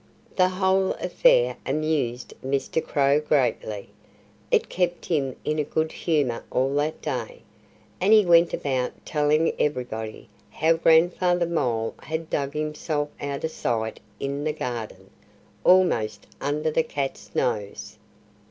The whole affair amused Mr. Crow greatly. It kept him in a good humor all that day. And he went about telling everybody how Grandfather Mole had dug himself out of sight in the garden, almost under the cat's nose.